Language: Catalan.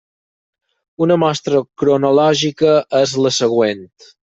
Una mostra cronològica és la següent.